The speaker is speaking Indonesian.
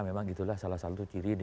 memang itulah salah satu ciri